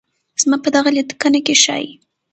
زما په دغه ليکنه کې ښايي